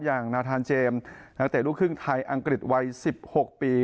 นาธานเจมส์นักเตะลูกครึ่งไทยอังกฤษวัย๑๖ปี